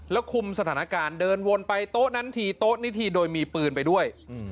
แล้วคุมสถานการณ์เดินวนไปโต๊ะนั้นทีโต๊ะนี้ทีโดยมีปืนไปด้วย